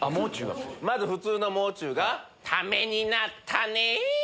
まず普通の「もう中」がためになったね。